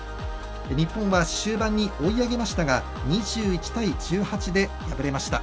日本は終盤に追い上げましたが２１対１８で敗れました。